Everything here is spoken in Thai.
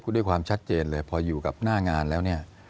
ด้วยความชัดเจนเลยพออยู่กับหน้างานแล้วเนี่ย